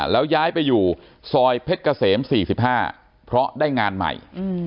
แล้วย้ายไปอยู่ซอยเพชรเกษม๔๕เพราะได้งานใหม่